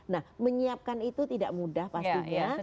nah menyiapkan itu tidak mudah pastinya